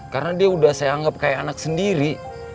karena dia udah saya anggap kayak anak sendiri